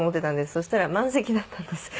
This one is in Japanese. そしたら満席だったんです。